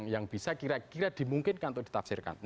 yang bisa kira kira dimungkinkan untuk ditafsirkan